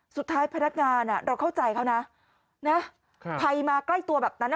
พนักงานเราเข้าใจเขานะใครมาใกล้ตัวแบบนั้น